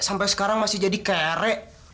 sampai sekarang masih jadi kere